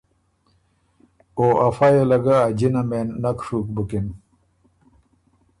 او افئ یه له ګۀ ا جِنه مېن نک ڒُوک بُکِن